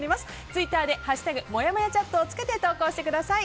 ツイッターで「＃もやもやチャット」をつけて投稿してください。